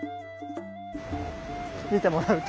見てもらうと。